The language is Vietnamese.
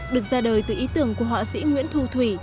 được ra đời từ ý tưởng của họa sĩ nguyễn thu thủy